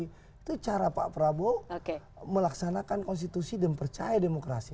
itu cara pak prabowo melaksanakan konstitusi dan percaya demokrasi